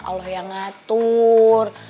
allah yang ngatur